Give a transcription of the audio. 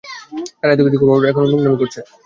তারা এতকিছু করার পরে, এখনো নোংরামী করছে।